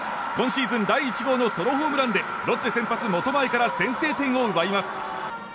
今シーズン第１号のソロホームランでロッテ先発、本前から先制点を奪います。